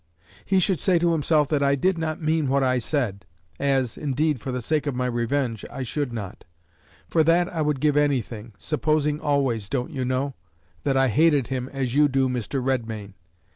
He should say to himself that I did not mean what I said as, indeed, for the sake of my revenge, I should not. For that I would give anything supposing always, don't you know? that I hated him as you do Mr. Redmain.